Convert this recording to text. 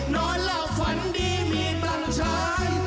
นอนแล้วฝันดีมีตังชาย